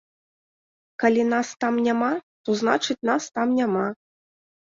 Калі нас там няма, то значыць нас там няма.